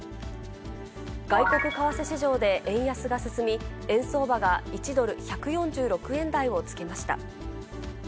外国為替市場で円安が進み、円相場が１ドル１４６円台をつけました。